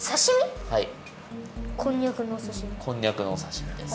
こんにゃくのおさしみです。